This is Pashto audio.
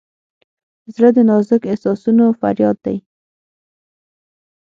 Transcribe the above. زړه د نازک احساسونو فریاد دی.